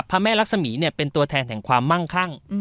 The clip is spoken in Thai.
พระแม่รักษณ์สมียเนี่ยเป็นตัวแทนแห่งความมั่งขั้ง